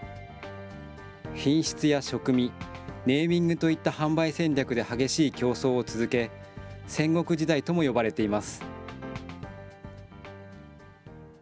品質や食味、ネーミングといった販売戦略で激しい競争を続け、戦国時代とも呼ばれています。